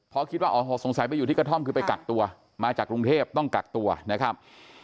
เพราะคิดว่าอ๋อสงสัยไปอยู่ที่กระท่อมคือไปกักตัวมาจากกรุงเทพต้องกักตัวนะครับ